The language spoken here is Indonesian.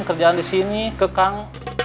kerjaan di sini ke kang